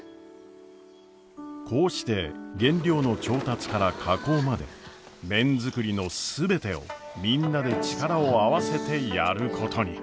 こうして原料の調達から加工まで麺作りの全てをみんなで力を合わせてやることに。